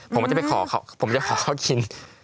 ผมก็จะไปขอเขากิน